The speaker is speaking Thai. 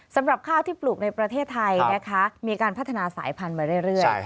สำหรับข้าวที่ปลูกในประเทศไทยนะคะมีการพัฒนาสายพันธุ์มาเรื่อย